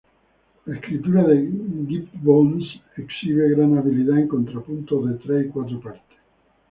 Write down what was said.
La escritura de Gibbons exhibe gran habilidad en contrapunto de tres y cuatro partes.